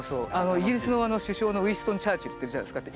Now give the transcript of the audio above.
イギリスの首相のウィンストン・チャーチルっているじゃないですか。